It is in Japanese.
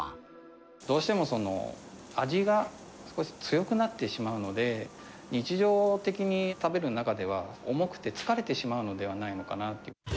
どうしても味が少し強くなってしまうので、日常的に食べる中では、重くて疲れてしまうのではないのかなと。